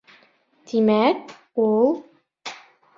Тимәк, ул...